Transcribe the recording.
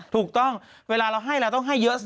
ถูกต้องเวลาเราให้เราต้องให้เยอะสิ